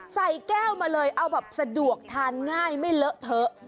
ใส่แก้วมาเลยเอาแบบสะดวกทานง่ายไม่เลอะเทอะ